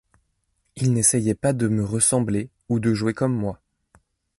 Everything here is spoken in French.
Il n'essayait pas de me ressembler, ou de jouer comme moi.